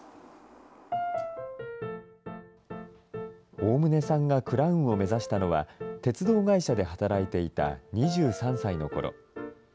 大棟さんがクラウンを目指したのは、鉄道会社で働いていた２３歳のころ。